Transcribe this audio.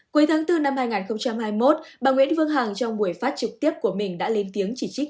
cuối tháng bốn năm hai nghìn hai mươi một bà nguyễn vương hằng trong buổi phát trực tiếp của mình đã lên tiếng chỉ trích